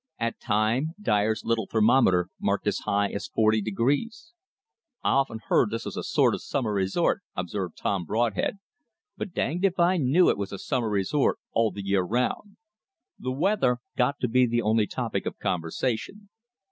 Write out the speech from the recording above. At times Dyer's little thermometer marked as high as forty degrees. "I often heard this was a sort 'v summer resort," observed Tom Broadhead, "but danged if I knew it was a summer resort all the year 'round." The weather got to be the only topic of conversation.